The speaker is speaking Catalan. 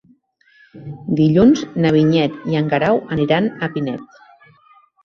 Dilluns na Vinyet i en Guerau aniran a Pinet.